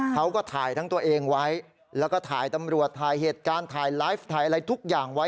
เขาก็ถ่ายทั้งตัวเองไว้แล้วก็ถ่ายตำรวจถ่ายเหตุการณ์ถ่ายไลฟ์ถ่ายอะไรทุกอย่างไว้